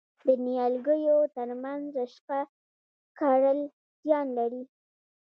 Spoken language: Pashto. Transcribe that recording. د نیالګیو ترمنځ رشقه کرل زیان لري؟